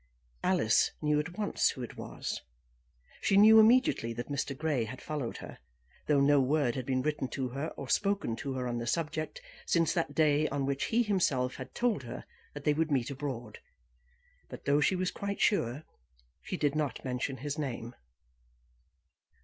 Alice knew at once who it was. She knew, immediately, that Mr. Grey had followed her, though no word had been written to her or spoken to her on the subject since that day on which he himself had told her that they would meet abroad. But though she was quite sure, she did not mention his name.